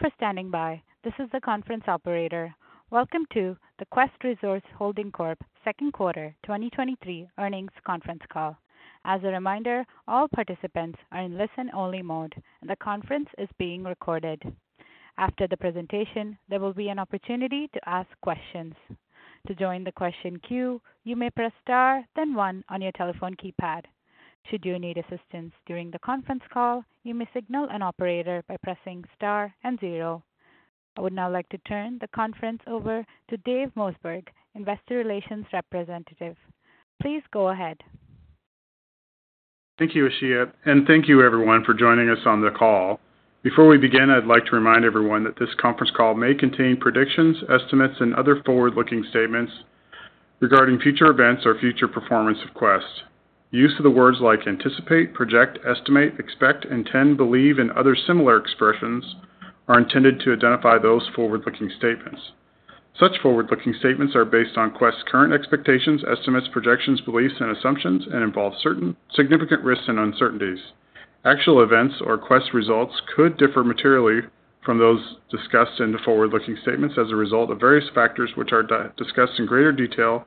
Thank you for standing by. This is the conference operator. Welcome to the Quest Resource Holding Corp Q2 2023 Earnings Conference Call. As a reminder, all participants are in listen-only mode, and the conference is being recorded. After the presentation, there will be an opportunity to ask questions. To join the question queue, you may press Star, then one on your telephone keypad. Should you need assistance during the conference call, you may signal an operator by pressing Star and zero. I would now like to turn the conference over to Dave Mossberg, investor relations representative. Please go ahead. Thank you, Ashia. Thank you everyone for joining us on the call. Before we begin, I'd like to remind everyone that this conference call may contain predictions, estimates, and other forward-looking statements regarding future events or future performance of Quest. Use of the words like anticipate, project, estimate, expect, intend, believe, and other similar expressions are intended to identify those forward-looking statements. Such forward-looking statements are based on Quest's current expectations, estimates, projections, beliefs, and assumptions, and involve certain significant risks and uncertainties. Actual events or Quest results could differ materially from those discussed in the forward-looking statements as a result of various factors, which are discussed in greater detail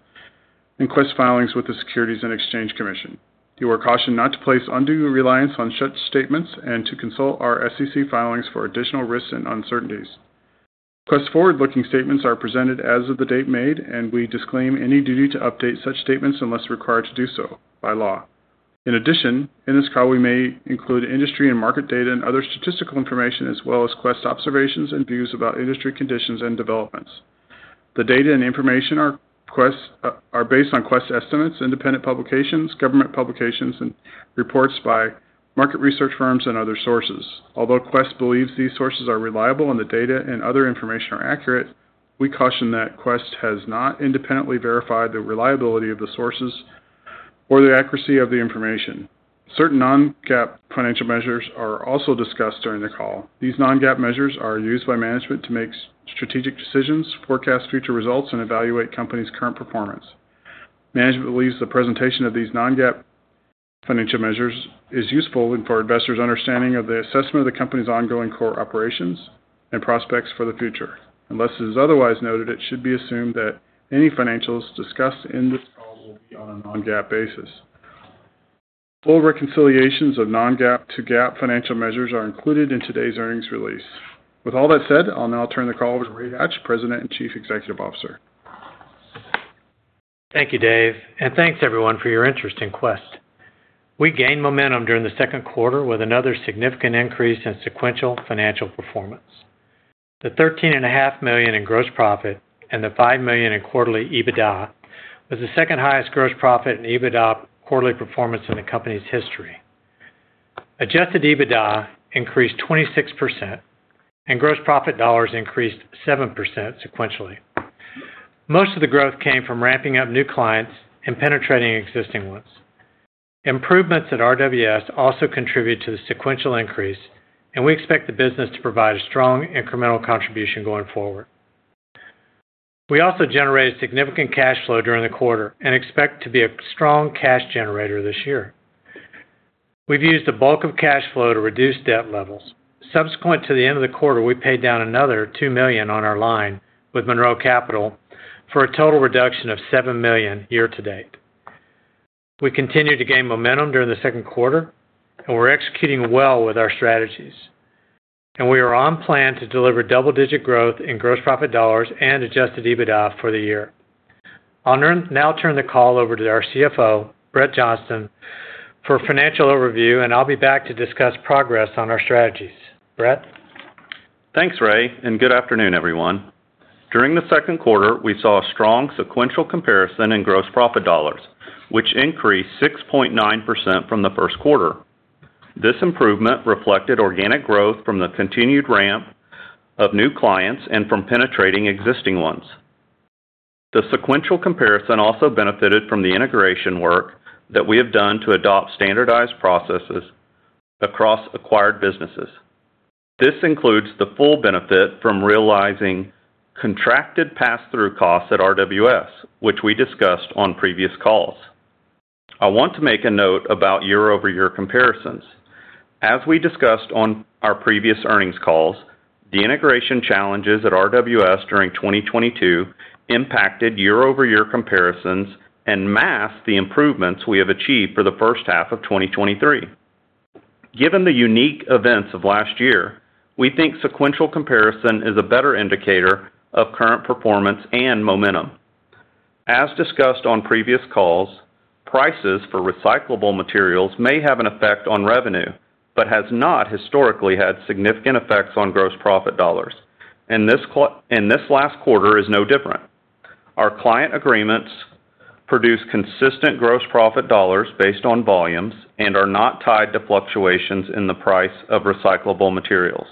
in Quest's filings with the Securities and Exchange Commission. You are cautioned not to place undue reliance on such statements and to consult our SEC filings for additional risks and uncertainties. Quest's forward-looking statements are presented as of the date made, and we disclaim any duty to update such statements unless required to do so by law. In addition, in this call, we may include industry and market data and other statistical information, as well as Quest observations and views about industry conditions and developments. The data and information are based on Quest estimates, independent publications, government publications, and reports by market research firms and other sources. Although Quest believes these sources are reliable and the data and other information are accurate, we caution that Quest has not independently verified the reliability of the sources or the accuracy of the information. Certain non-GAAP financial measures are also discussed during the call. These non-GAAP measures are used by management to make strategic decisions, forecast future results, and evaluate company's current performance. Management believes the presentation of these non-GAAP financial measures is useful for investors' understanding of the assessment of the company's ongoing core operations and prospects for the future. Unless it is otherwise noted, it should be assumed that any financials discussed in this call will be on a non-GAAP basis. Full reconciliations of non-GAAP to GAAP financial measures are included in today's earnings release. With all that said, I'll now turn the call over to Ray Hatch, President and Chief Executive Officer. Thank you, Dave, and thanks everyone for your interest in Quest. We gained momentum during the Q2 with another significant increase in sequential financial performance. The $13.5 million in gross profit and the $5 million in quarterly EBITDA was the second highest gross profit in EBITDA quarterly performance in the company's history. Adjusted EBITDA increased 26%, and gross profit dollars increased 7% sequentially. Most of the growth came from ramping up new clients and penetrating existing ones. Improvements at RWS also contribute to the sequential increase, and we expect the business to provide a strong incremental contribution going forward. We also generated significant cash flow during the quarter and expect to be a strong cash generator this year. We've used the bulk of cash flow to reduce debt levels. Subsequent to the end of the quarter, we paid down another $2 million on our line with Monroe Capital for a total reduction of $7 million year to date. We continued to gain momentum during the Q2, and we're executing well with our strategies, and we are on plan to deliver double-digit growth in gross profit dollars and adjusted EBITDA for the year. I'll now turn the call over to our CFO, Brett Johnston, for a financial overview, and I'll be back to discuss progress on our strategies. Brett? Thanks, Ray. Good afternoon, everyone. During the Q2, we saw a strong sequential comparison in gross profit dollars, which increased 6.9% from the Q1. This improvement reflected organic growth from the continued ramp of new clients and from penetrating existing ones. The sequential comparison also benefited from the integration work that we have done to adopt standardized processes across acquired businesses. This includes the full benefit from realizing contracted pass-through costs at RWS, which we discussed on previous calls. I want to make a note about year-over-year comparisons. As we discussed on our previous earnings calls, the integration challenges at RWS during 2022 impacted year-over-year comparisons and masked the improvements we have achieved for the first half of 2023. Given the unique events of last year, we think sequential comparison is a better indicator of current performance and momentum. As discussed on previous calls, prices for recyclable materials may have an effect on revenue, but has not historically had significant effects on gross profit dollars. This last quarter is no different. Our client agreements produce consistent gross profit dollars based on volumes and are not tied to fluctuations in the price of recyclable materials.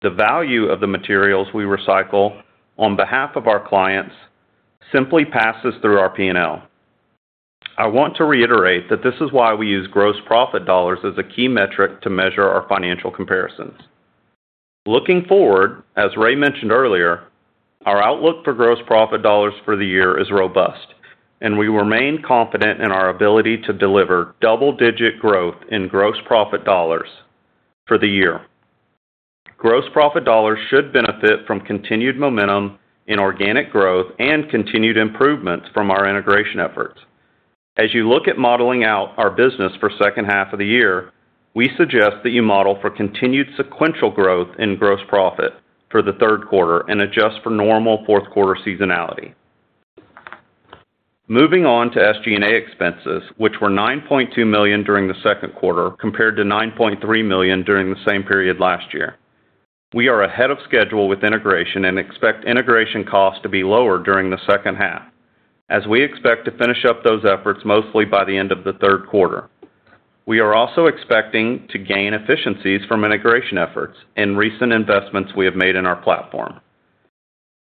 The value of the materials we recycle on behalf of our clients simply passes through our P&L. I want to reiterate that this is why we use gross profit dollars as a key metric to measure our financial comparisons. Looking forward, as Ray mentioned earlier, our outlook for gross profit dollars for the year is robust. We remain confident in our ability to deliver double-digit growth in gross profit dollars for the year. Gross profit dollars should benefit from continued momentum in organic growth and continued improvements from our integration efforts. As you look at modeling out our business for second half of the year, we suggest that you model for continued sequential growth in gross profit for the Q3 and adjust for normal Q4 seasonality. Moving on to SG&A expenses, which were $9.2 million during the Q2, compared to $9.3 million during the same period last year. We are ahead of schedule with integration and expect integration costs to be lower during the second half, as we expect to finish up those efforts mostly by the end of the Q3. We are also expecting to gain efficiencies from integration efforts and recent investments we have made in our platform.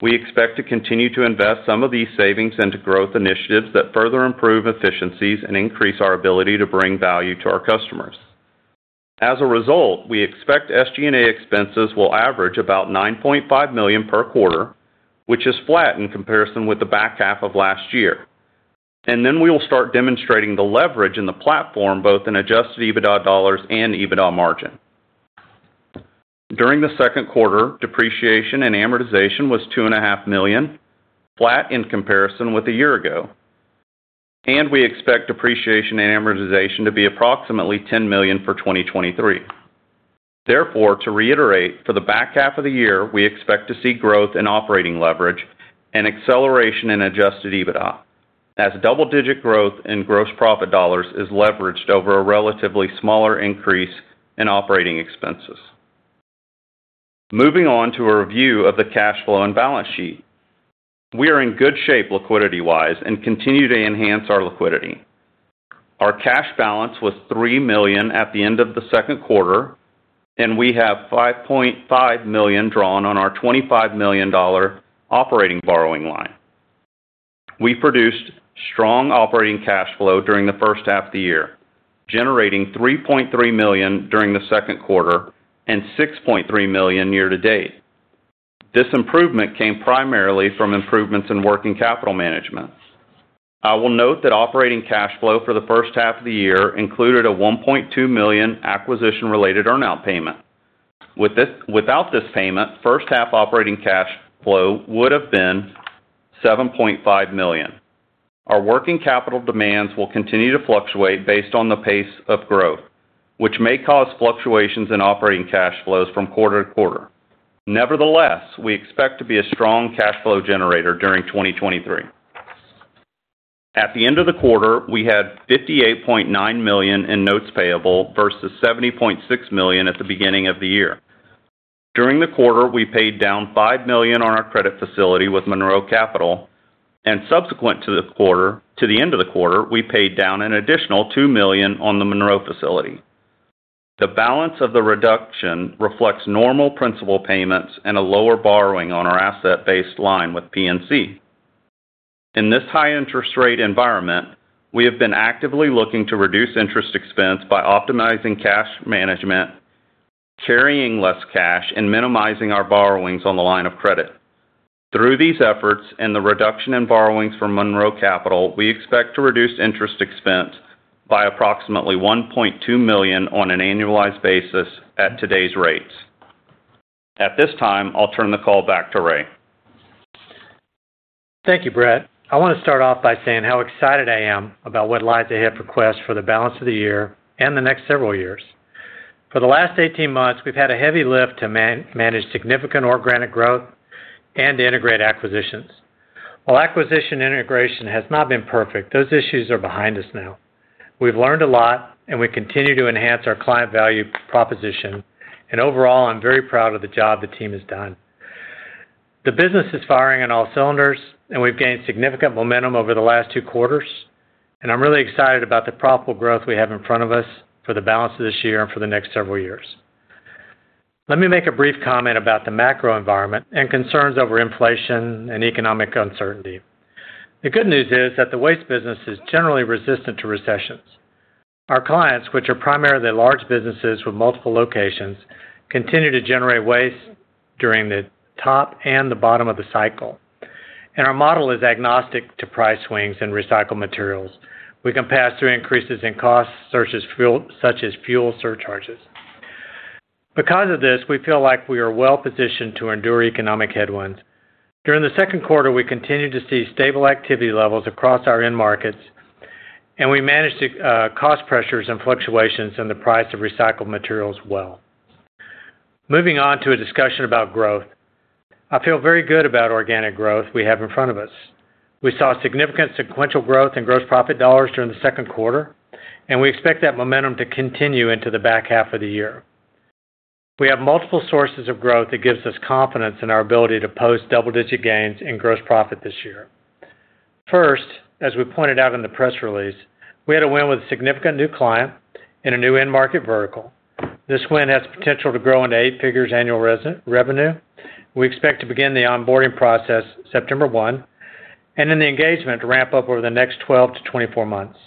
We expect to continue to invest some of these savings into growth initiatives that further improve efficiencies and increase our ability to bring value to our customers. As a result, we expect SG&A expenses will average about $9.5 million per quarter, which is flat in comparison with the back half of last year, and then we will start demonstrating the leverage in the platform, both in adjusted EBITDA dollars and EBITDA margin. During the Q2, depreciation and amortization was $2.5 million, flat in comparison with a year ago, and we expect depreciation and amortization to be approximately $10 million for 2023. Therefore, to reiterate, for the back half of the year, we expect to see growth in operating leverage and acceleration in adjusted EBITDA, as double-digit growth in gross profit dollars is leveraged over a relatively smaller increase in operating expenses. Moving on to a review of the cash flow and balance sheet. We are in good shape, liquidity-wise, and continue to enhance our liquidity. Our cash balance was $3 million at the end of the Q2, and we have $5.5 million drawn on our $25 million operating borrowing line. We produced strong operating cash flow during the first half of the year, generating $3.3 million during the Q2 and $6.3 million year to date. This improvement came primarily from improvements in working capital management. I will note that operating cash flow for the first half of the year included a $1.2 million acquisition-related earn-out payment. Without this payment, first half operating cash flow would have been $7.5 million. Our working capital demands will continue to fluctuate based on the pace of growth, which may cause fluctuations in operating cash flows from quarter-to-quarter. Nevertheless, we expect to be a strong cash flow generator during 2023. At the end of the quarter, we had $58.9 million in notes payable versus $70.6 million at the beginning of the year. During the quarter, we paid down $5 million on our credit facility with Monroe Capital, subsequent to the quarter, to the end of the quarter, we paid down an additional $2 million on the Monroe facility. The balance of the reduction reflects normal principal payments and a lower borrowing on our asset-based line with PNC. In this high interest rate environment, we have been actively looking to reduce interest expense by optimizing cash management, carrying less cash, and minimizing our borrowings on the line of credit. Through these efforts and the reduction in borrowings from Monroe Capital, we expect to reduce interest expense by approximately $1.2 million on an annualized basis at today's rates. At this time, I'll turn the call back to Ray. Thank you, Brett. I want to start off by saying how excited I am about what lies ahead for Quest for the balance of the year and the next several years. For the last 18 months, we've had a heavy lift to manage significant organic growth and to integrate acquisitions. While acquisition integration has not been perfect, those issues are behind us now. We've learned a lot. Overall, I'm very proud of the job the team has done. The business is firing on all cylinders, and we've gained significant momentum over the last Q2, and I'm really excited about the profitable growth we have in front of us for the balance of this year and for the next several years. Let me make a brief comment about the macro environment and concerns over inflation and economic uncertainty. The good news is that the waste business is generally resistant to recessions. Our clients, which are primarily large businesses with multiple locations, continue to generate waste during the top and the bottom of the cycle. Our model is agnostic to price swings and recycled materials. We can pass through increases in costs, such as fuel, such as fuel surcharges. Because of this, we feel like we are well-positioned to endure economic headwinds. During the, we continued to see stable activity levels across our end markets. We managed cost pressures and fluctuations in the price of recycled materials well. Moving on to a discussion about growth. I feel very good about organic growth we have in front of us. We saw significant sequential growth in gross profit dollars during the Q2. We expect that momentum to continue into the back half of the year. We have multiple sources of growth that gives us confidence in our ability to post double-digit gains in gross profit this year. First, as we pointed out in the press release, we had a win with a significant new client in a new end market vertical. This win has the potential to grow into eight figures annual res-- revenue. We expect to begin the onboarding process September 1. Then the engagement to ramp up over the next 12-24 months.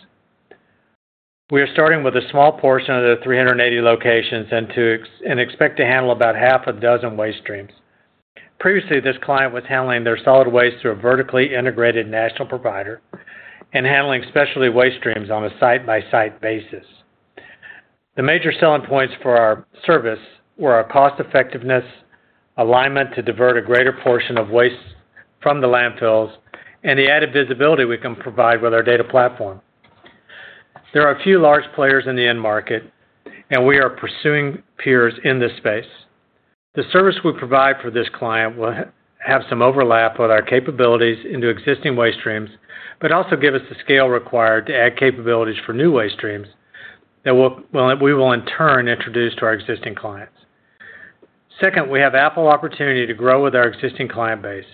We are starting with a small portion of the 380 locations and to- and expect to handle about half a dozen waste streams. Previously, this client was handling their solid waste through a vertically integrated national provider and handling specialty waste streams on a site-by-site basis. The major selling points for our service were our cost effectiveness, alignment to divert a greater portion of waste from the landfills, and the added visibility we can provide with our data platform. There are a few large players in the end market, and we are pursuing peers in this space. The service we provide for this client will have some overlap with our capabilities into existing waste streams, but also give us the scale required to add capabilities for new waste streams that we will in turn introduce to our existing clients. Second, we have ample opportunity to grow with our existing client base.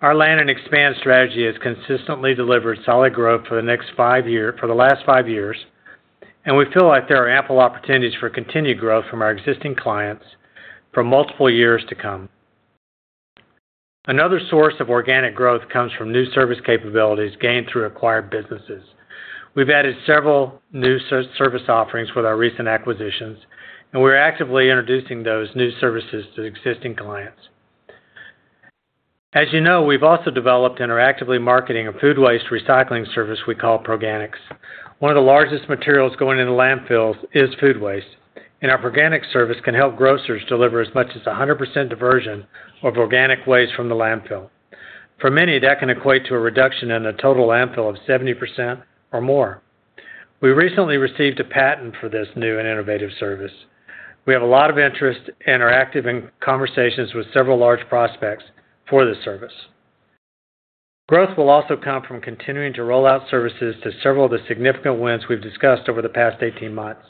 Our land and expand strategy has consistently delivered solid growth for the last five years, and we feel like there are ample opportunities for continued growth from our existing clients for multiple years to come. Another source of organic growth comes from new service capabilities gained through acquired businesses. We've added several new service offerings with our recent acquisitions, and we're actively introducing those new services to existing clients. As, we've also developed and are actively marketing a food waste recycling service we call Proganics. One of the largest materials going into landfills is food waste, and our Proganics service can help grocers deliver as much as 100% diversion of organic waste from the landfill. For many, that can equate to a reduction in the total landfill of 70% or more. We recently received a patent for this new and innovative service. We have a lot of interest and are active in conversations with several large prospects for this service. Growth will also come from continuing to roll out services to several of the significant wins we've discussed over the past 18 months.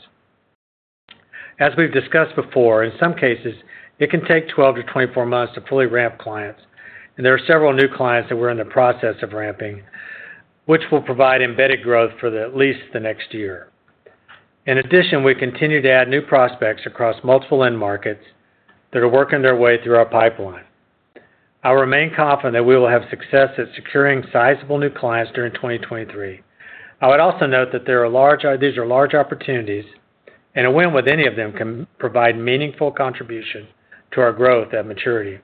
As we've discussed before, in some cases, it can take 12-24 months to fully ramp clients, and there are several new clients that we're in the process of ramping, which will provide embedded growth for at least the next year. In addition, we continue to add new prospects across multiple end markets that are working their way through our pipeline. I remain confident that we will have success at securing sizable new clients during 2023. I would also note that there are large, these are large opportunities, and a win with any of them can provide meaningful contribution to our growth at maturity.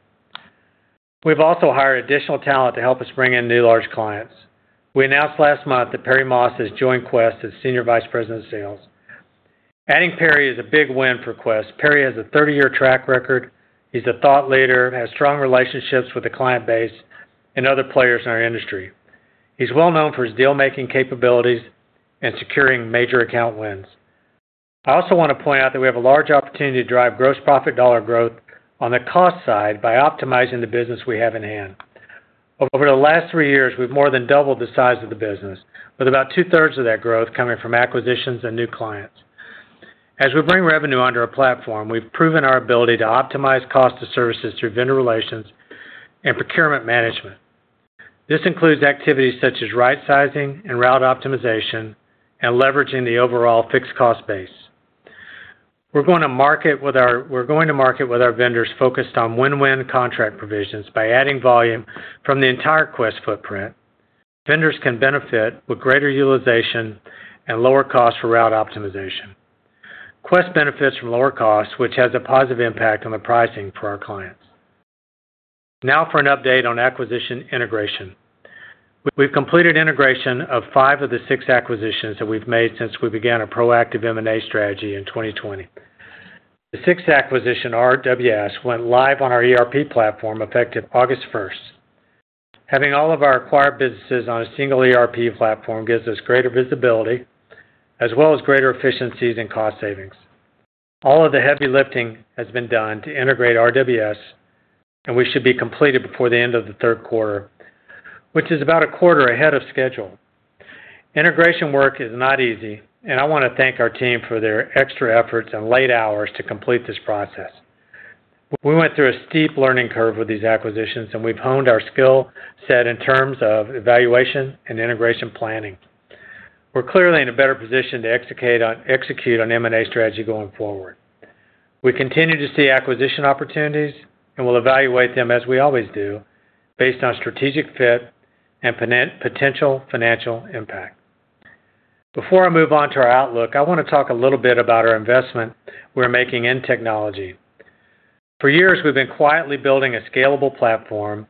We've also hired additional talent to help us bring in new large clients. We announced last month that Perry Moss has joined Quest as Senior Vice President of Sales. Adding Perry is a big win for Quest. Perry has a 30-year track record. He's a thought leader and has strong relationships with the client base and other players in our industry. He's well known for his deal-making capabilities and securing major account wins. I also want to point out that we have a large opportunity to drive gross profit dollar growth on the cost side by optimizing the business we have in hand. Over the last three years, we've more than doubled the size of the business, with about 2/3 of that growth coming from acquisitions and new clients. As we bring revenue under our platform, we've proven our ability to optimize cost of services through vendor relations and procurement management. This includes activities such as right sizing and route optimization, and leveraging the overall fixed cost base. We're going to market with our vendors focused on win-win contract provisions by adding volume from the entire Quest footprint. Vendors can benefit with greater utilization and lower costs for route optimization. Quest benefits from lower costs, which has a positive impact on the pricing for our clients. Now for an update on acquisition integration. We've completed integration of five of the six acquisitions that we've made since we began a proactive M&A strategy in 2020. The 6th acquisition, RWS, went live on our ERP platform effective August 1st. Having all of our acquired businesses on a single ERP platform gives us greater visibility, as well as greater efficiencies and cost savings. All of the heavy lifting has been done to integrate RWS, and we should be completed before the end of the Q3, which is about a quarter ahead of schedule. Integration work is not easy, and I want to thank our team for their extra efforts and late hours to complete this process. We went through a steep learning curve with these acquisitions, and we've honed our skill set in terms of evaluation and integration planning. We're clearly in a better position to execute on M&A strategy going forward. We continue to see acquisition opportunities, and we'll evaluate them, as we always do, based on strategic fit and potential financial impact. Before I move on to our outlook, I want to talk a little bit about our investment we're making in technology. For years, we've been quietly building a scalable platform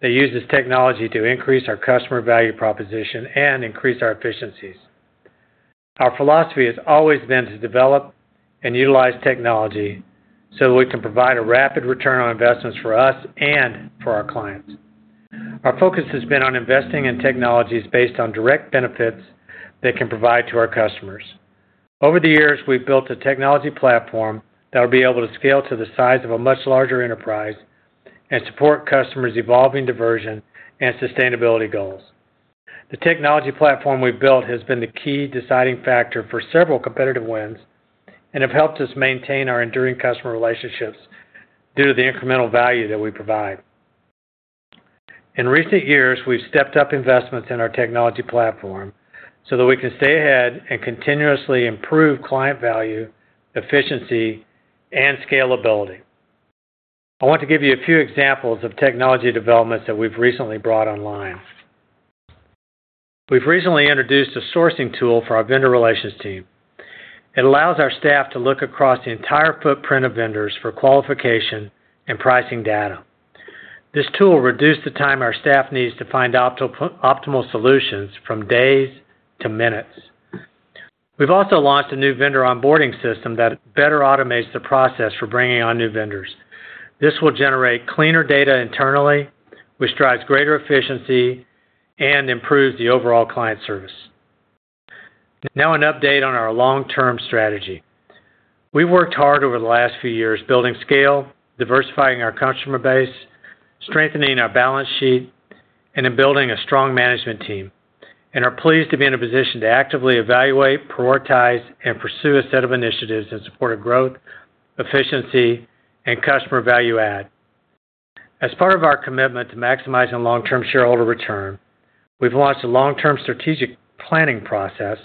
that uses technology to increase our customer value proposition and increase our efficiencies. Our philosophy has always been to develop and utilize technology so that we can provide a rapid return on investments for us and for our clients. Our focus has been on investing in technologies based on direct benefits they can provide to our customers. Over the years, we've built a technology platform that will be able to scale to the size of a much larger enterprise and support customers' evolving diversion and sustainability goals. The technology platform we built has been the key deciding factor for several competitive wins and have helped us maintain our enduring customer relationships due to the incremental value that we provide. In recent years, we've stepped up investments in our technology platform so that we can stay ahead and continuously improve client value, efficiency, and scalability. I want to give you a few examples of technology developments that we've recently brought online. We've recently introduced a sourcing tool for our vendor relations team. It allows our staff to look across the entire footprint of vendors for qualification and pricing data. This tool will reduce the time our staff needs to find optimal solutions from days to minutes. We've also launched a new vendor onboarding system that better automates the process for bringing on new vendors. This will generate cleaner data internally, which drives greater efficiency and improves the overall client service. Now, an update on our long-term strategy. We've worked hard over the last few years building scale, diversifying our customer base, strengthening our balance sheet, and in building a strong management team, and are pleased to be in a position to actively evaluate, prioritize, and pursue a set of initiatives that support a growth, efficiency, and customer value add. As part of our commitment to maximizing long-term shareholder return, we've launched a long-term strategic planning process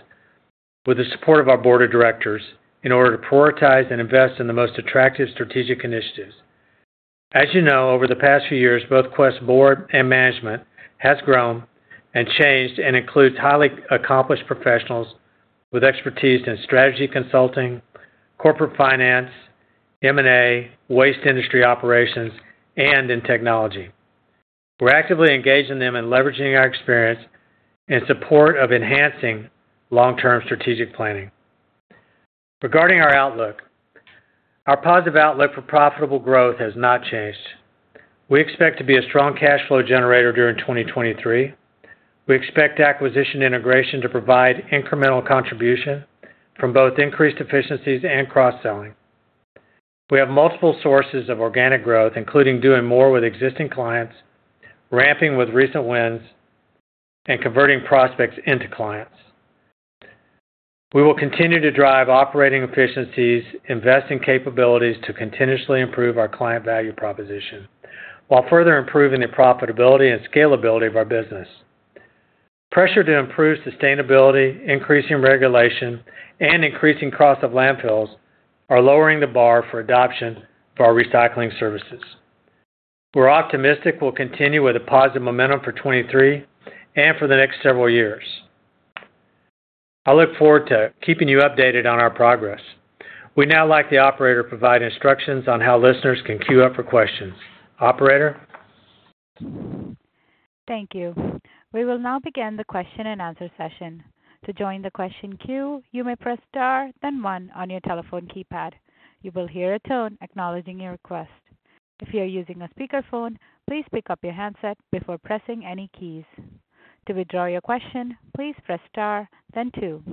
with the support of our board of directors, in order to prioritize and invest in the most attractive strategic initiatives. As, over the past few years, both Quest's board and management has grown and changed and includes highly accomplished professionals with expertise in strategy, consulting, corporate finance, M&A, waste industry operations, and in technology. We're actively engaging them in leveraging our experience in support of enhancing long-term strategic planning. Regarding our outlook, our positive outlook for profitable growth has not changed. We expect to be a strong cash flow generator during 2023. We expect acquisition integration to provide incremental contribution from both increased efficiencies and cross-selling. We have multiple sources of organic growth, including doing more with existing clients, ramping with recent wins, and converting prospects into clients. We will continue to drive operating efficiencies, invest in capabilities to continuously improve our client value proposition, while further improving the profitability and scalability of our business. Pressure to improve sustainability, increasing regulation, and increasing cost of landfills are lowering the bar for adoption for our recycling services. We're optimistic we'll continue with a positive momentum for 2023 and for the next several years. I look forward to keeping you updated on our progress. We'd now like the operator to provide instructions on how listeners can queue up for questions. Operator? Thank you. We will now begin the question-and-answer session. To join the question queue, you may press star, then 1 on your telephone keypad. You will hear a tone acknowledging your request. If you are using a speakerphone, please pick up your handset before pressing any keys. To withdraw your question, please press star then 2.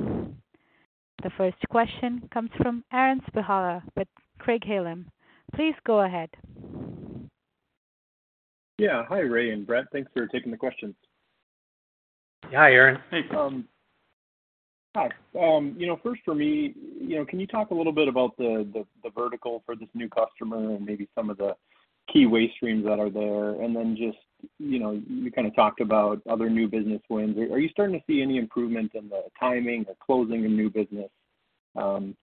The first question comes from Aaron Spychalla with Craig-Hallum. Please go ahead. Yeah. Hi, Ray and Brett. Thanks for taking the questions. Hi, Aaron. Hey. hi first for me can you talk a little bit about the, the, the vertical for this new customer and maybe some of the key waste streams that are there? Then just you kind of talked about other new business wins. Are, are you starting to see any improvement in the timing or closing of new business,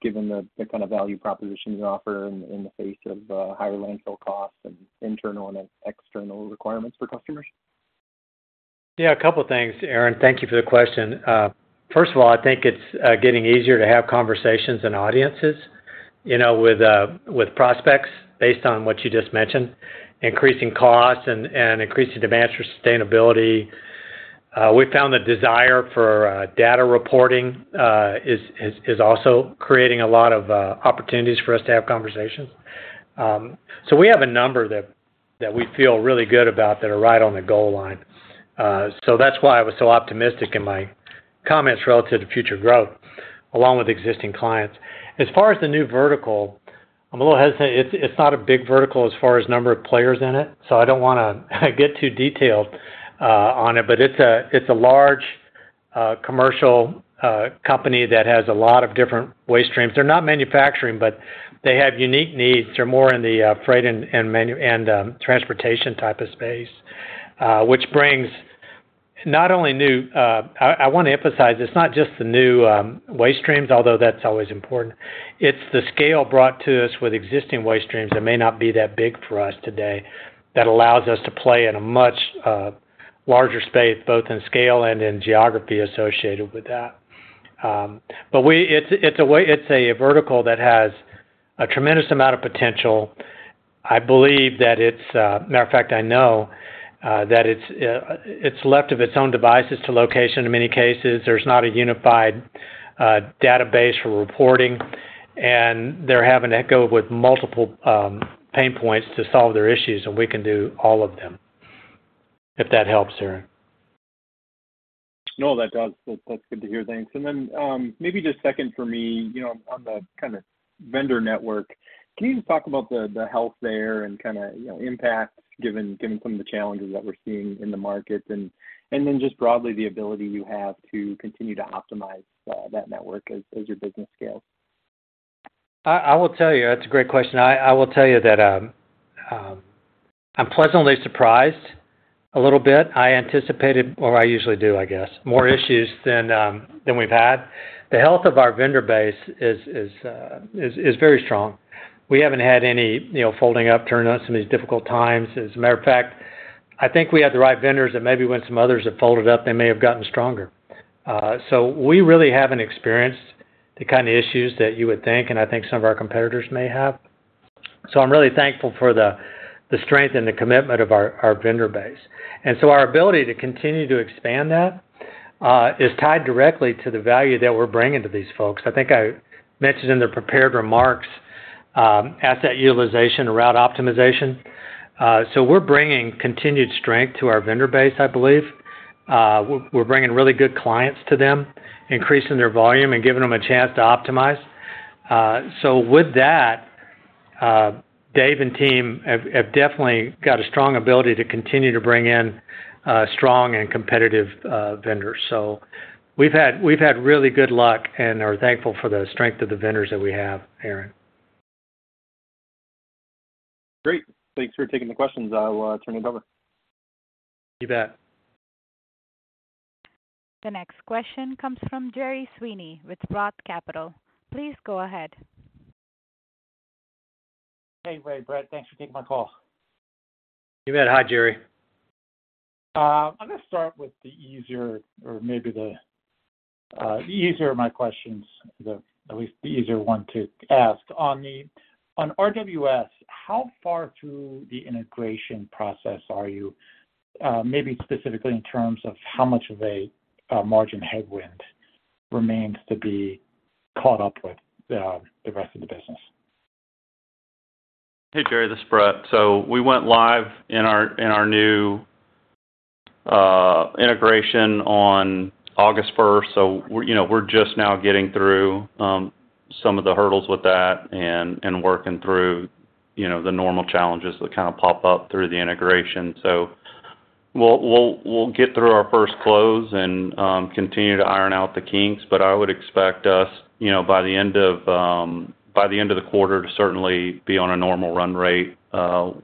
given the, the kind of value propositions you offer in, in the face of higher landfill costs and internal and external requirements for customers? Yeah, a couple of things, Aaron. Thank you for the question. First of all, I think it's getting easier to have conversations and audiences with prospects based on what you just mentioned, increasing costs and, and increasing demand for sustainability. We found the desire for data reporting is also creating a lot of opportunities for us to have conversations. We have a number that we feel really good about that are right on the goal line. That's why I was so optimistic in my comments relative to future growth, along with existing clients. As far as the new vertical, I'm a little hesitant. It's not a big vertical as far as number of players in it, so I don't want to get too detailed on it, but it's a, it's a large commercial company that has a lot of different waste streams. They're not manufacturing, but they have unique needs. They're more in the freight and and manu-- and transportation type of space, which brings not only new... I, I want to emphasize, it's not just the new waste streams, although that's always important. It's the scale brought to us with existing waste streams that may not be that big for us today, that allows us to play in a much larger space, both in scale and in geography associated with that. We- it's a way- it's a vertical that has a tremendous amount of potential. I believe that it's, matter of fact, I know, that it's, it's left of its own devices to location. In many cases, there's not a unified, database for reporting, and they're having to go with multiple, pain points to solve their issues, and we can do all of them. If that helps, Aaron. No, that does. That's, that's good to hear. Thanks. Maybe just second for me on the kind of vendor network, can you just talk about the, the health there and kind of impact given, given some of the challenges that we're seeing in the markets? Then just broadly, the ability you have to continue to optimize that network as, as your business scales. I will tell you. That's a great question. I will tell you that I'm pleasantly surprised a little bit. I anticipated, or I usually do, I guess, more issues than than we've had. The health of our vendor base is very strong. We haven't had any folding up during some of these difficult times. As a matter of fact, I think we had the right vendors, and maybe when some others have folded up, they may have gotten stronger. We really haven't experienced the kind of issues that you would think, and I think some of our competitors may have. I'm really thankful for the strength and the commitment of our vendor base. Our ability to continue to expand that is tied directly to the value that we're bringing to these folks. I think I mentioned in the prepared remarks, asset utilization and route optimization. We're bringing continued strength to our vendor base, I believe. We're, we're bringing really good clients to them, increasing their volume and giving them a chance to optimize. With that, Dave and team have, have definitely got a strong ability to continue to bring in strong and competitive vendors. We've had, we've had really good luck and are thankful for the strength of the vendors that we have, Aaron. Great. Thanks for taking the questions. I'll turn it over. You bet. The next question comes from Gerry Sweeney with Roth Capital. Please go ahead. Hey, Ray, Brett, thanks for taking my call. You bet. Hi, Jerry. I'm going to start with the easier or maybe the easier of my questions, at least the easier one to ask. On RWS, how far through the integration process are you, maybe specifically in terms of how much of a margin headwind remains to be caught up with the rest of the business? Hey, Gerry, this is Brett. We went live in our, in our new integration on August first. we're we're just now getting through some of the hurdles with that and, and working through the normal challenges that kind of pop up through the integration. We'll, we'll, we'll get through our first close and continue to iron out the kinks, but I would expect us by the end of by the end of the quarter, to certainly be on a normal run rate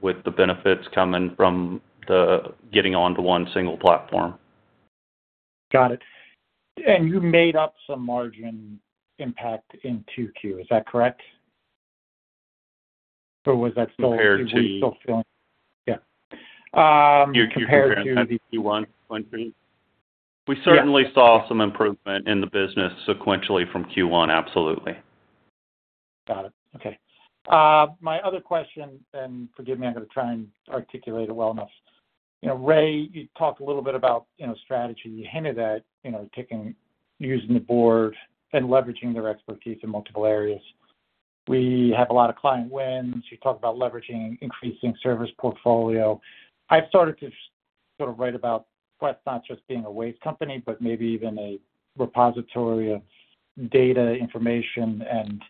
with the benefits coming from the getting onto one single platform. Got it. You made up some margin impact in Q2, is that correct? Was that still- Compared to- Yeah. Compared to. Q1, sequentially. We certainly- Yeah saw some improvement in the business sequentially from Q1. Absolutely. Got it. Okay. My other question, forgive me, I'm going to try and articulate it well enough., Ray, you talked a little bit about strategy. You hinted at taking, using the board and leveraging their expertise in multiple areas. We have a lot of client wins. You talked about leveraging, increasing service portfolio. I've started to sort of write about Quest not just being a waste company, but maybe even a repository of data, information, and,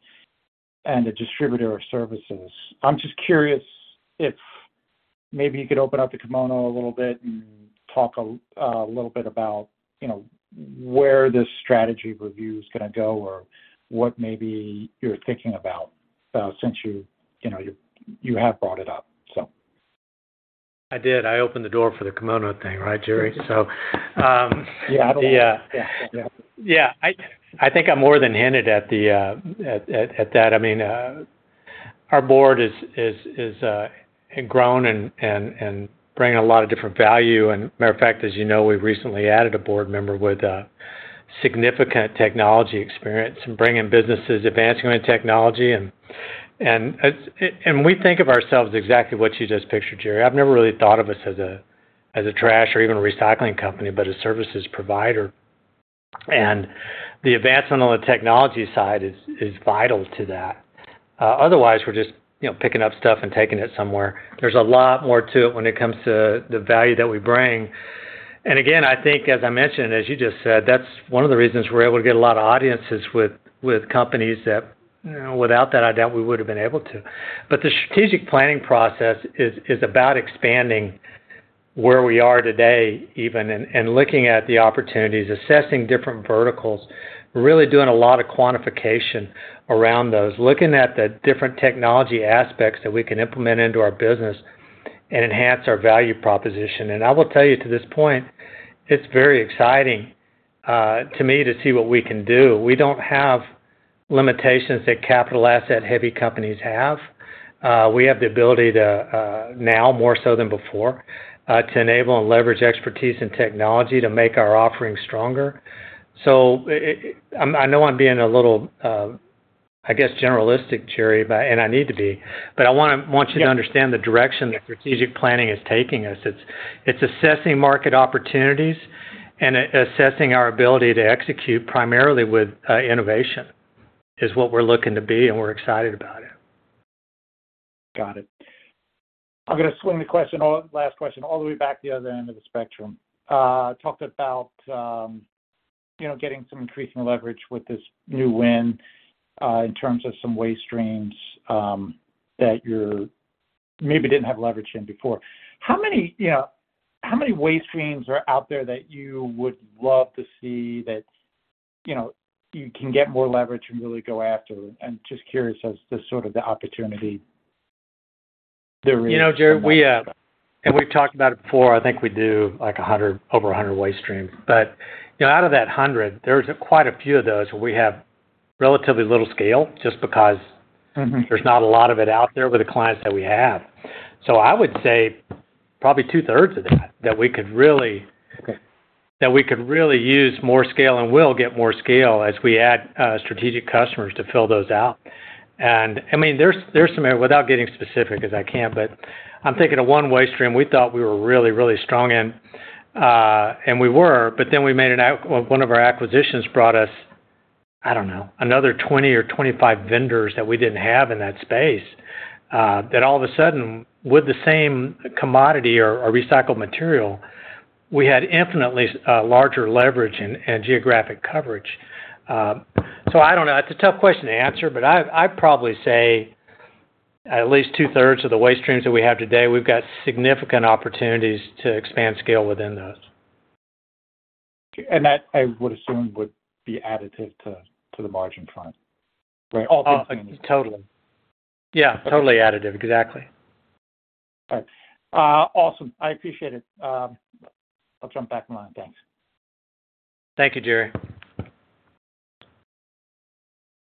and a distributor of services. I'm just curious if maybe you could open up the kimono a little bit and talk a little bit about where this strategy review is going to go or what maybe you're thinking about, since you you, you have brought it up. I did. I opened the door for the kimono thing, right, Gerry? Yeah. The. Yeah. Yeah, I, I think I more than hinted at the, at, at, at that. I mean, our board is, is, is, grown and, and, and bringing a lot of different value. Matter of fact, as, we've recently added a board member with significant technology experience and bringing businesses, advancing technology and, and as we think of ourselves exactly what you just pictured, Gerry. I've never really thought of us as a, as a trash or even a recycling company, but a services provider. The advancement on the technology side is, is vital to that. Otherwise, we're just picking up stuff and taking it somewhere. There's a lot more to it when it comes to the value that we bring. Again, I think as I mentioned, as you just said, that's one of the reasons we're able to get a lot of audiences with, with companies that, without that, I doubt we would have been able to. The strategic planning process is, is about expanding where we are today, even, and, and looking at the opportunities, assessing different verticals, really doing a lot of quantification around those. Looking at the different technology aspects that we can implement into our business and enhance our value proposition. I will tell you to this point, it's very exciting to me, to see what we can do. We don't have limitations that capital asset-heavy companies have. We have the ability to, now, more so than before, to enable and leverage expertise and technology to make our offerings stronger. I know I'm being a little, I guess, generalistic, Gerry, but... I need to be, but I want to- Yeah... want you to understand the direction the strategic planning is taking us. It's, it's assessing market opportunities and assessing our ability to execute, primarily with innovation, is what we're looking to be, and we're excited about it. Got it. I'm going to swing the question, last question, all the way back to the other end of the spectrum. Talked about getting some increasing leverage with this new win, in terms of some waste streams, that you're maybe didn't have leverage in before. How many how many waste streams are out there that you would love to see that, you can get more leverage and really go after it. I'm just curious as to sort of the opportunity there is. Gerry, we, and we've talked about it before, I think we do like 100, over 100 waste streams. but out of that 100, there's quite a few of those where we have relatively little scale, just because... Mm-hmm. There's not a lot of it out there with the clients that we have. I would say probably two-thirds of that, that we could really... Okay. That we could really use more scale and will get more scale as we add strategic customers to fill those out. I mean, there's, there's some, without getting specific, as I can't, but I'm thinking of one waste stream we thought we were really, really strong in, and we were, but then we made one of our acquisitions brought us, I don't know, another 20 or 25 vendors that we didn't have in that space. That all of a sudden, with the same commodity or, or recycled material, we had infinitely larger leverage and, and geographic coverage. I don't know. It's a tough question to answer, but I, I'd probably say at least two-thirds of the waste streams that we have today, we've got significant opportunities to expand scale within those. That, I would assume, would be additive to, to the margin front, right? Totally. Yeah, totally additive. Exactly. All right. awesome. I appreciate it. I'll jump back in line. Thanks. Thank you, Gerry.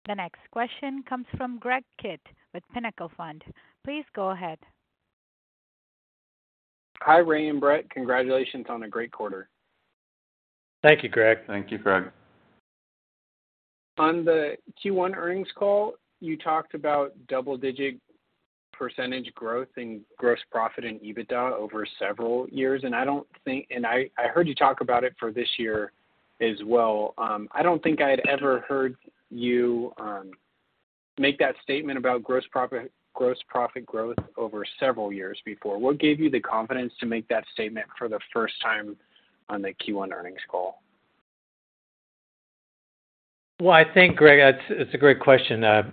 The next question comes from Greg Kitt with Pinnacle Fund. Please go ahead. Hi, Ray and Brett. Congratulations on a great quarter. Thank you, Greg. Thank you, Greg. On the Q1 earnings call, you talked about double-digit % growth in gross profit and EBITDA over several years, I heard you talk about it for this year as well. I don't think I'd ever heard you make that statement about gross profit, gross profit growth over several years before. What gave you the confidence to make that statement for the first time on the Q1 earnings call? Well, I think, Greg, it's, it's a great question. It,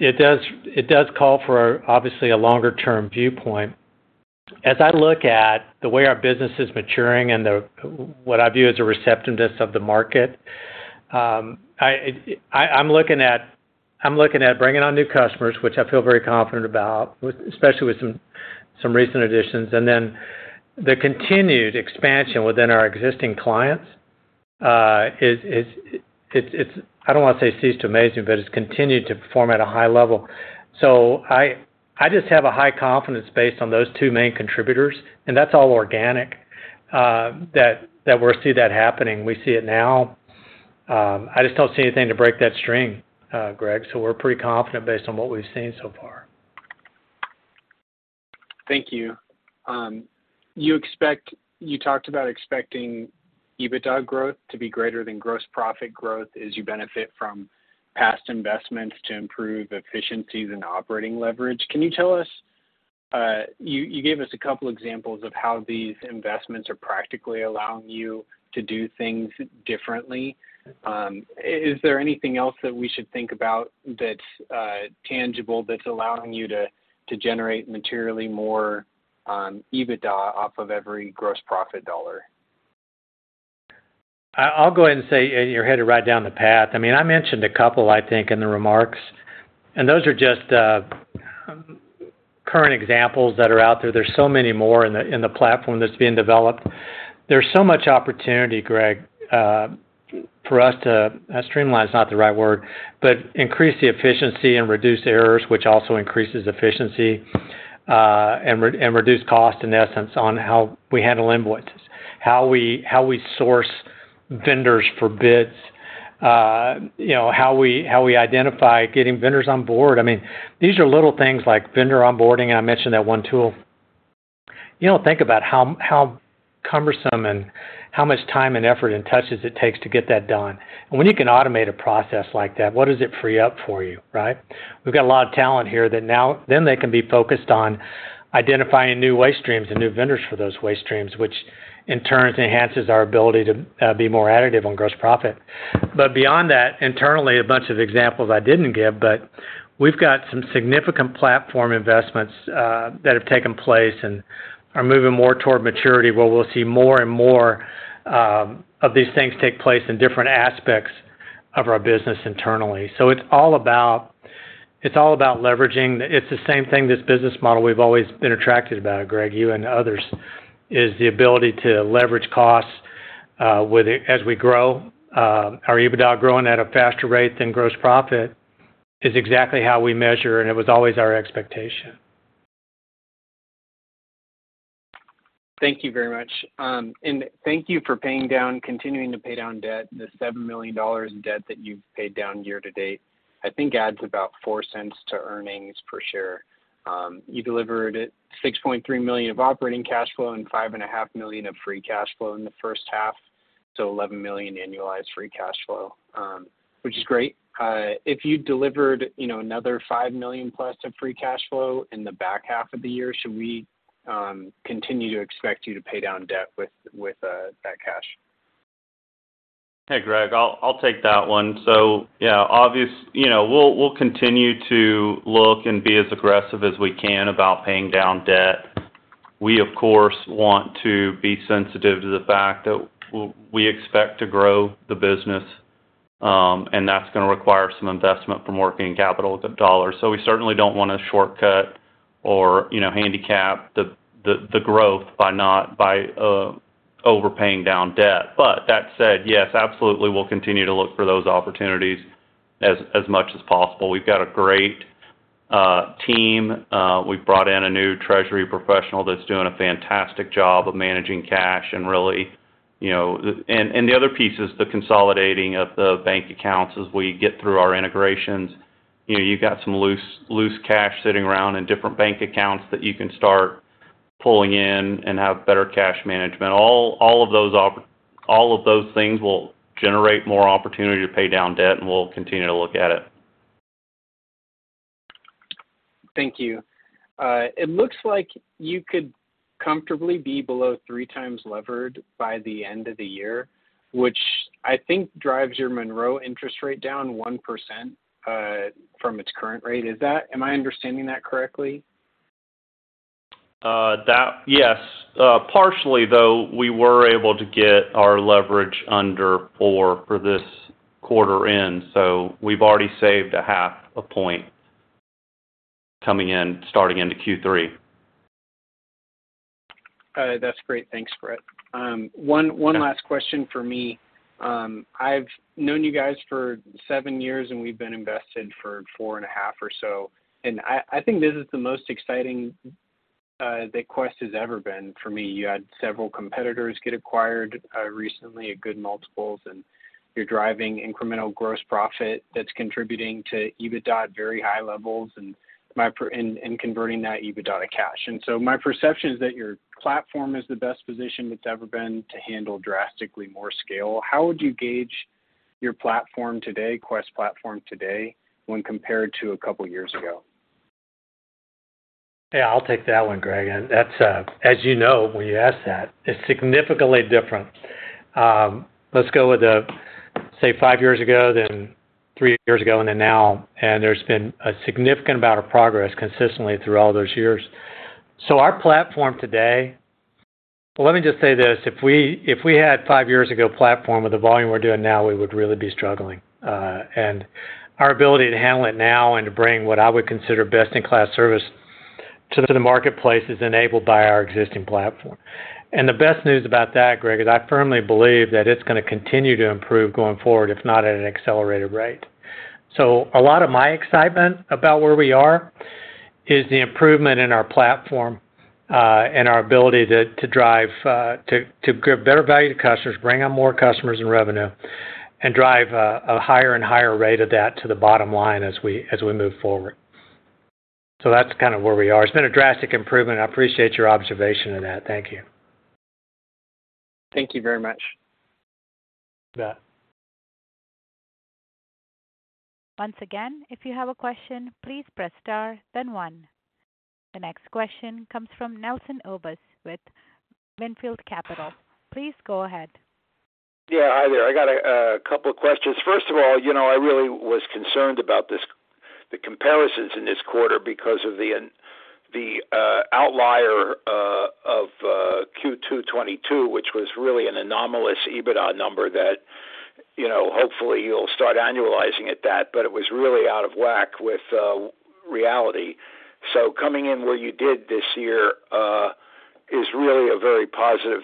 it does, it does call for, obviously, a longer-term viewpoint. As I look at the way our business is maturing and the, what I view as the receptiveness of the market I'm looking at, I'm looking at bringing on new customers, which I feel very confident about, with, especially with some, some recent additions. Then the continued expansion within our existing clients I don't want to say it ceased to amaze me, but it's continued to perform at a high level. I, I just have a high confidence based on those two main contributors, and that's all organic, that, that we're seeing that happening. We see it now. I just don't see anything to break that string, Greg, so we're pretty confident based on what we've seen so far. Thank you. You talked about expecting EBITDA growth to be greater than gross profit growth as you benefit from past investments to improve efficiencies and operating leverage. Can you tell us, you, you gave us a couple examples of how these investments are practically allowing you to do things differently. Is there anything else that we should think about that's tangible, that's allowing you to, to generate materially more, EBITDA off of every gross profit dollar? I'll go ahead and say, and you're headed right down the path. I mean, I mentioned a couple, I think, in the remarks, and those are just current examples that are out there. There's so many more in the, in the platform that's being developed. There's so much opportunity, Greg, for us to streamline is not the right word, but increase the efficiency and reduce errors, which also increases efficiency, and reduce cost, in essence, on how we handle invoices, how we, how we source vendors for bids how we, how we identify getting vendors on board. I mean, these are little things like vendor onboarding, and I mentioned that one tool., think about how, how cumbersome and how much time and effort and touches it takes to get that done. When you can automate a process like that, what does it free up for you, right? We've got a lot of talent here that now, then they can be focused on identifying new waste streams and new vendors for those waste streams, which in turn enhances our ability to be more additive on gross profit. Beyond that, internally, a bunch of examples I didn't give, but we've got some significant platform investments that have taken place and are moving more toward maturity, where we'll see more and more of these things take place in different aspects of our business internally. It's all about, it's all about leveraging. It's the same thing, this business model we've always been attracted about, Greg, you and others, is the ability to leverage costs with it, as we grow. Our EBITDA growing at a faster rate than gross profit is exactly how we measure, and it was always our expectation. Thank you very much. Thank you for paying down, continuing to pay down debt. The $7 million of debt that you've paid down year to date, I think, adds about $0.04 to earnings per share. You delivered $6.3 million of operating cash flow and $5.5 million of free cash flow in the first half, so $11 million annualized free cash flow, which is great. If you delivered another $5 million+ of free cash flow in the back half of the year, should we continue to expect you to pay down debt with that cash? Hey, Greg, I'll, I'll take that one. yeah we'll, we'll continue to look and be as aggressive as we can about paying down debt.... We, of course, want to be sensitive to the fact that we expect to grow the business, and that's going to require some investment from working capital to dollars. We certainly don't want to shortcut or handicap the, the, the growth by not, by overpaying down debt. That said, yes, absolutely, we'll continue to look for those opportunities as, as much as possible. We've got a great team. We've brought in a new treasury professional that's doing a fantastic job of managing cash and really,... And the other piece is the consolidating of the bank accounts as we get through our integrations., you've got some loose, loose cash sitting around in different bank accounts that you can start pulling in and have better cash management. All of those things will generate more opportunity to pay down debt, and we'll continue to look at it. Thank you. It looks like you could comfortably be below 3x levered by the end of the year, which I think drives your Monroe interest rate down 1%, from its current rate. Is that, am I understanding that correctly? That, yes. Partially, though, we were able to get our leverage under four for this quarter in, so we've already saved a 0.5 point coming in, starting into Q3. That's great. Thanks, Brett. One, one last question for me. I've known you guys for seven years, and we've been invested for four and a half or so, and I, I think this is the most exciting that Quest has ever been for me. You had several competitors get acquired recently at good multiples, and you're driving incremental gross profit that's contributing to EBITDA at very high levels and my per... And, and converting that EBITDA to cash. My perception is that your platform is the best position it's ever been to handle drastically more scale. How would you gauge your platform today, Quest platform today, when compared to a couple of years ago? Yeah, I'll take that one, Greg. That's, as, when you ask that, it's significantly different. Let's go with the, say, five years ago, then three years ago, then now, there's been a significant amount of progress consistently through all those years. Our platform today... Well, let me just say this, if we, if we had five years ago platform with the volume we're doing now, we would really be struggling. Our ability to handle it now and to bring what I would consider best-in-class service to the marketplace is enabled by our existing platform. The best news about that, Greg, is I firmly believe that it's going to continue to improve going forward, if not at an accelerated rate. A lot of my excitement about where we are is the improvement in our platform, and our ability to, to drive, to, to give better value to customers, bring on more customers and revenue, and drive a, a higher and higher rate of that to the bottom line as we, as we move forward. That's kind of where we are. It's been a drastic improvement. I appreciate your observation on that. Thank you. Thank you very much. You bet. Once again, if you have a question, please press Star, then One. The next question comes from Nelson Obus with Wynnefield Capital. Please go ahead. Yeah, hi there. I got a couple of questions. First of all I really was concerned about this, the comparisons in this quarter because of the outlier of Q2 2022, which was really an anomalous EBITDA number that hopefully, you'll start annualizing at that, but it was really out of whack with reality. Coming in where you did this year is really a very positive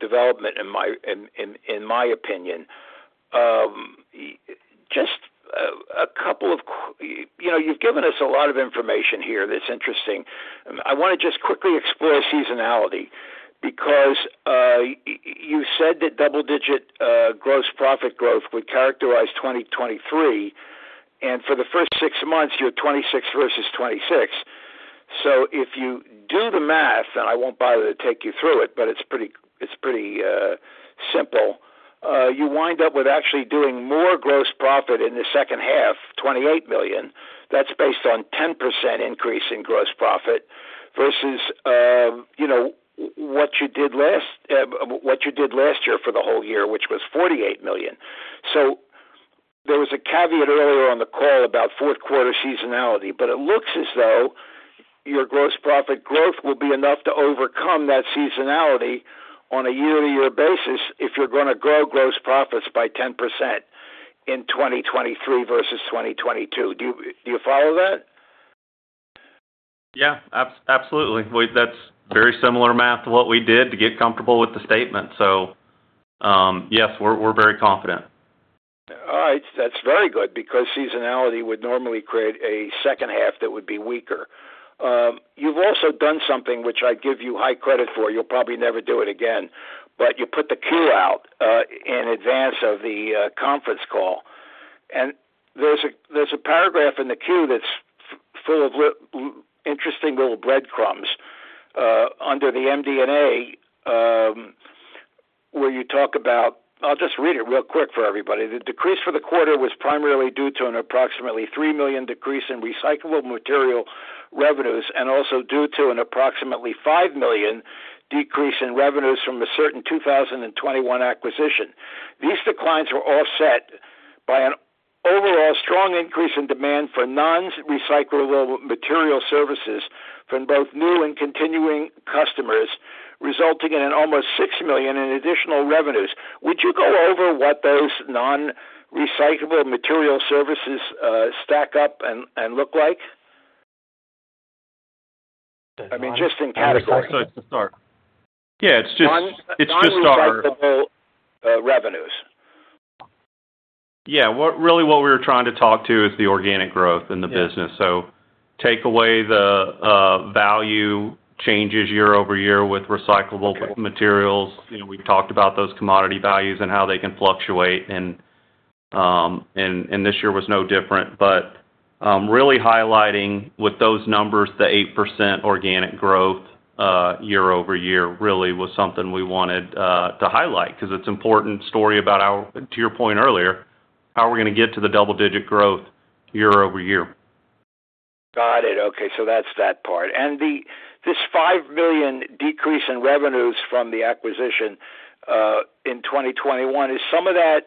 development in my opinion. , you've given us a lot of information here that's interesting. I want to just quickly explore seasonality, because you said that double-digit gross profit growth would characterize 2023, and for the first six months, you're 26 versus 26. If you do the math, and I won't bother to take you through it, but it's pretty, it's pretty simple, you wind up with actually doing more gross profit in the second half, $28 million. That's based on 10% increase in gross profit versus what you did last, what you did last year for the whole year, which was $48 million. There was a caveat earlier on the call about Q4 seasonality, but it looks as though your gross profit growth will be enough to overcome that seasonality on a year-to-year basis if you're going to grow gross profits by 10% in 2023 versus 2022. Do you, do you follow that? Yeah, absolutely. Well, that's very similar math to what we did to get comfortable with the statement. Yes, we're, we're very confident. All right. That's very good because seasonality would normally create a second half that would be weaker. You've also done something which I give you high credit for. You'll probably never do it again, but you put the Q out in advance of the conference call. There's a, there's a paragraph in the Q that's full of interesting little breadcrumbs under the MD&A, where you talk about... I'll just read it real quick for everybody. "The decrease for the quarter was primarily due to an approximately $3 million decrease in recyclable material revenues and also due to an approximately $5 million decrease in revenues from a certain 2021 acquisition. These declines were offset by an- "... A strong increase in demand for non-recyclable material services from both new and continuing customers, resulting in an almost $6 million in additional revenues. Would you go over what those non-recyclable material services, stack up and, and look like? I mean, just in categories. Yeah, it's just. Non-recyclable revenues. Really, what we were trying to talk to is the organic growth in the business. Take away the value changes year-over-year with recyclable materials., we talked about those commodity values and how they can fluctuate, and this year was no different. Really highlighting with those numbers, the 8% organic growth year-over-year, really was something we wanted to highlight, 'cause it's important story about our... To your point earlier, how are we gonna get to the double-digit growth year-over-year? Got it. Okay, so that's that part. This $5 million decrease in revenues from the acquisition in 2021, is some of that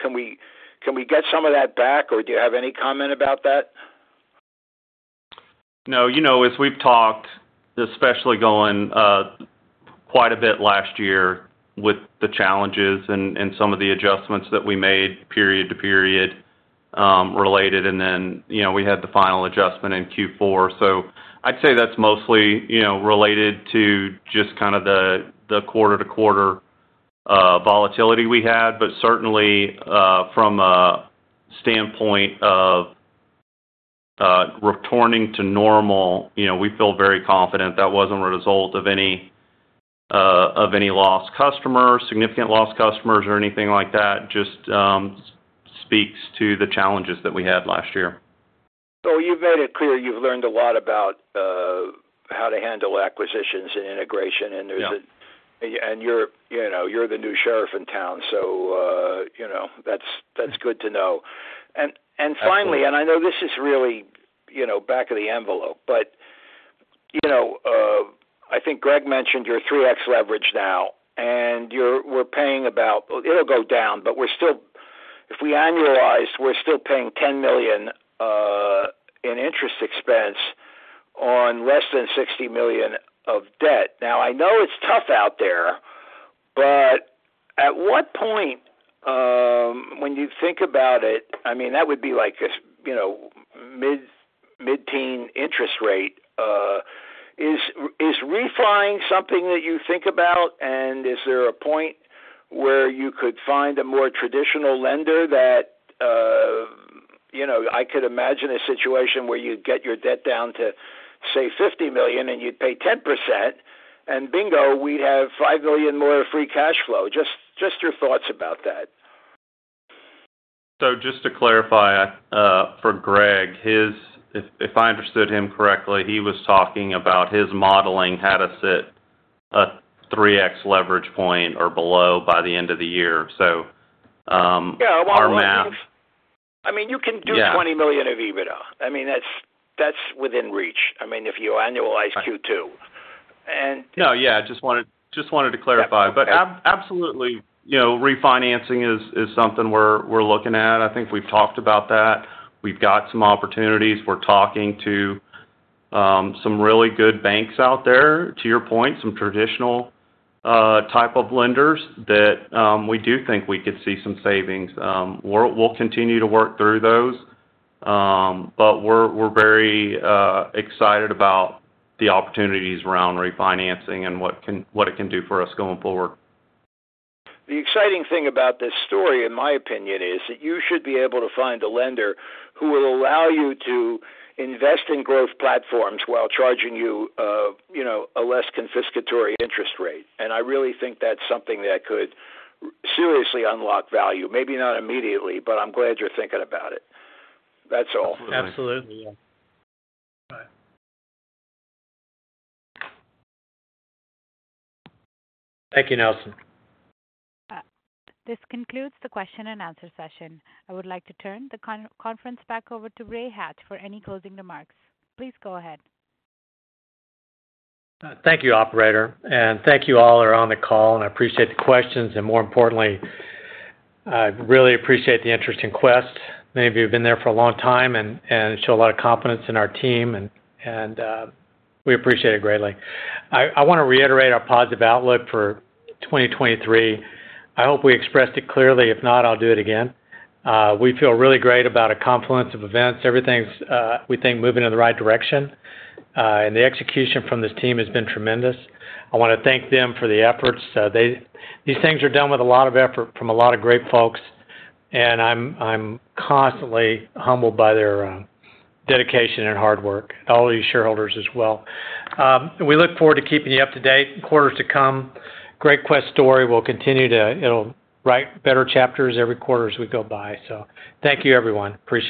can we, can we get some of that back, or do you have any comment about that? No., as we've talked, especially going quite a bit last year with the challenges and, and some of the adjustments that we made period to period, related, and then we had the final adjustment in Q4. I'd say that's mostly related to just kind of the, the quarter-to-quarter volatility we had. Certainly, from a standpoint of returning to normal we feel very confident that wasn't a result of any of any lost customers, significant lost customers or anything like that. Just speaks to the challenges that we had last year. You've made it clear you've learned a lot about how to handle acquisitions and integration, and there's. Yeah. you're you're the new sheriff in town, so that's, that's good to know. Absolutely. Finally, and I know this is really back of the envelope, but I think Greg mentioned you're 3x leverage now, and we're paying about... It'll go down, but we're still, if we annualize, we're still paying $10 million in interest expense on less than $60 million of debt. I know it's tough out there, but at what point, when you think about it, I mean, that would be like a mid-teen interest rate, is refrying something that you think about, and is there a point where you could find a more traditional lender that I could imagine a situation where you get your debt down to, say, $50 million, and you'd pay 10%, and bingo, we'd have $5 billion more free cash flow. Just your thoughts about that. Just to clarify, for Greg, if I understood him correctly, he was talking about his modeling, how to set a 3x leverage point or below by the end of the year. I mean, you can do $20 million of EBITDA. I mean, that's, that's within reach. I mean, if you annualize Q2. No, yeah, I just wanted, just wanted to clarify. absolutely refinancing is, is something we're, we're looking at. I think we've talked about that. We've got some opportunities. We're talking to some really good banks out there, to your point, some traditional type of lenders that we do think we could see some savings. We'll, we'll continue to work through those, but we're, we're very excited about the opportunities around refinancing and what it can do for us going forward. The exciting thing about this story, in my opinion, is that you should be able to find a lender who will allow you to invest in growth platforms while charging you a less confiscatory interest rate. I really think that's something that could seriously unlock value, maybe not immediately, but I'm glad you're thinking about it. That's all. Absolutely. Thank you, Nelson. This concludes the question and answer session. I would like to turn the conference back over to Ray Hatch for any closing remarks. Please go ahead. Thank you, operator, thank you all who are on the call, I appreciate the questions, more importantly, I really appreciate the interest in Quest. Many of you have been there for a long time, show a lot of confidence in our team, we appreciate it greatly. I want to reiterate our positive outlook for 2023. I hope we expressed it clearly. If not, I'll do it again. We feel really great about a confluence of events. Everything's, we think, moving in the right direction, the execution from this team has been tremendous. I want to thank them for the efforts. These things are done with a lot of effort from a lot of great folks, I'm constantly humbled by their dedication and hard work, all of you shareholders as well. We look forward to keeping you up to date, quarters to come. Great Quest story will continue to write better chapters every quarter as we go by. Thank you, everyone. Appreciate it.